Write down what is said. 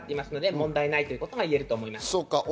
問題ないということが言えると思います。